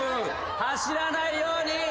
走らないように。